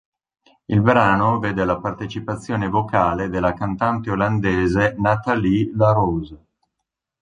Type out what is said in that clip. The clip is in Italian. Il brano vede la partecipazione vocale della cantante olandese Natalie La Rose.